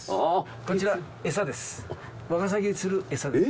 こちら餌です。